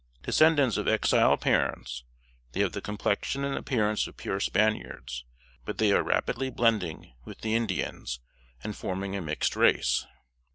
Descendants of Exile parents, they have the complexion and appearance of pure Spaniards; but they are rapidly blending with the Indians, and forming a mixed race.